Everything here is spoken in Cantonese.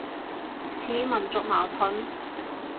似民族矛盾